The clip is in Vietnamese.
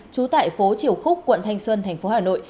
trú tại phố triều khúc quận thanh xuân thành phố hà nội